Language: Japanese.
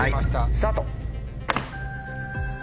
スタート！